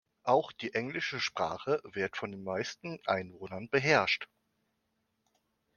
Auch die englische Sprache wird von den meisten Einwohnern beherrscht.